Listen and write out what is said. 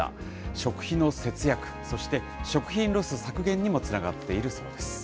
食費の節約、そして食品ロス削減にもつながっているそうです。